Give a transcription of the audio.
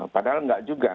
padahal enggak juga